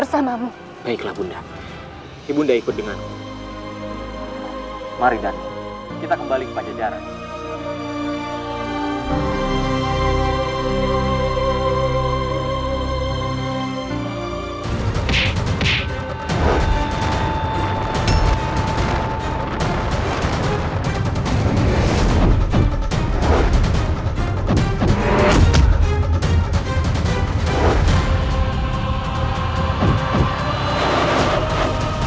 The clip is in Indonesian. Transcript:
sampai jumpa di video selanjutnya